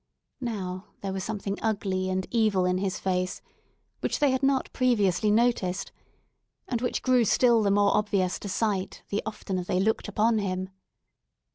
Now there was something ugly and evil in his face, which they had not previously noticed, and which grew still the more obvious to sight the oftener they looked upon him.